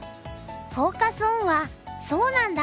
フォーカス・オンは「そうなんだ！？